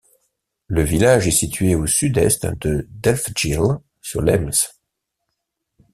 Le village est situé au sud-est de Delfzijl, sur l'Ems.